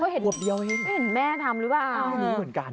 เห็นแม่ทำหรือเปล่า